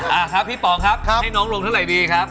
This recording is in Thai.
อ่าครับพี่ป๋องครับให้น้องลงเท่าไหร่ดีครับ